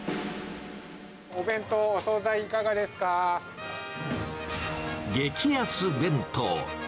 お弁当、お総菜、いかがです激安弁当。